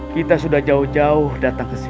kita sudah jauh jauh datang kesini